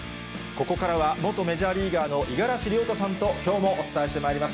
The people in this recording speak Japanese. ここからは、元メジャーリーガーの五十嵐亮太さんときょうもお伝えしてまいります。